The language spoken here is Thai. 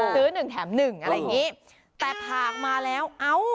หนึ่งแถมหนึ่งอะไรอย่างงี้แต่ผากมาแล้วเอ้า